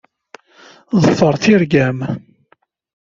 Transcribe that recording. Ḍfeṛ tirga-m.